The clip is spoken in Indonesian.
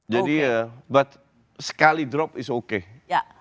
jadi ya but sekali drop is okay